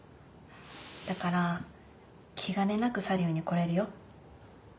だから気兼ねなくサリューに来れるよ。